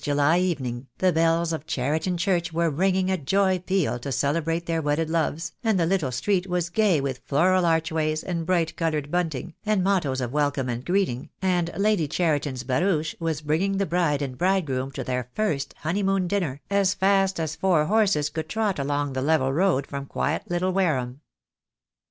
I 5 July evening, the bells of Cheriton Church were ringing a joy peal to celebrate their wedded loves, and the little street was gay with floral archways and bright coloured bunting, and mottoes of welcome and greeting, and Lady Cheriton's barouche was bringing the bride and bride groom to their first honeymoon dinner, as fast as four horses could trot along the level road from quiet little Wareham.